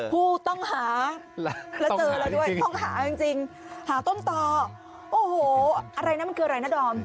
ผู้ต้องหาแล้วเจอเราด้วยต้องหาจริงหาต้นต่อโอ้โหอะไรนะมันคืออะไรนะดอม